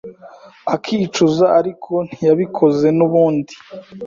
akicuza ariko ntiyabikozenubundi